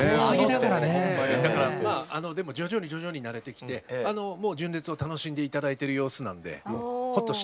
だからまあでも徐々に徐々に慣れてきてもう純烈を楽しんで頂いてる様子なんでほっとしてます。